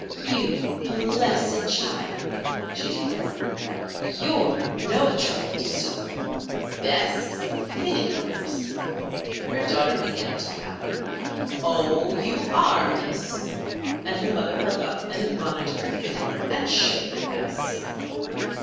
"You blessed child!" she declared. "You're no trouble to suit. Bess is the finicky person." Her daughter began to pout. "Oh, you are, Miss!" and her mother held up an admonitory finger and shook it at Bess.